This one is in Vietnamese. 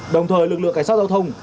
đồng thời lực lượng cảnh sát giao thông